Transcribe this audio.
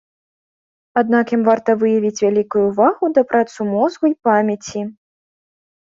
Аднак ім варта выявіць вялікую ўвагу да працы мозгу і памяці.